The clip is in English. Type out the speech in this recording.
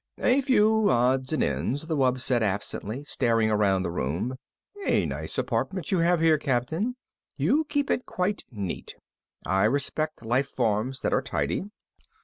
"A few odds and ends," the wub said absently, staring around the room. "A nice apartment you have here, Captain. You keep it quite neat. I respect life forms that are tidy.